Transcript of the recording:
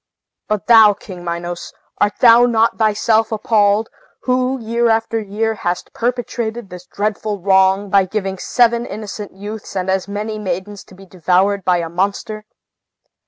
But thou, King Minos, art thou not thyself appalled, who, year after year, hast perpetrated this dreadful wrong, by giving seven innocent youths and as many maidens to be devoured by a monster?